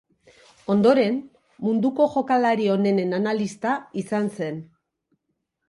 Ondoren, munduko jokalari onenen analista izan zen.